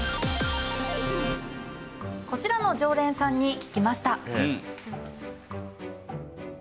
こちらの常連さんに聞きました。